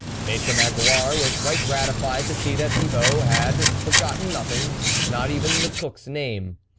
Maitre Magloire was quite gratified to see that Thibault had forgotten nothing, not even the cook's name.